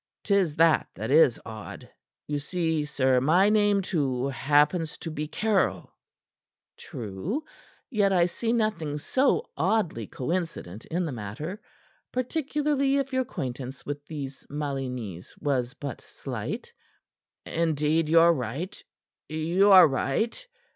'Tis that that is odd. You see, sir, my name, too, happens to be Caryll." "True yet I see nothing so oddly coincident in the matter, particularly if your acquaintance with these Malignys was but slight." "Indeed, you are right. You are right.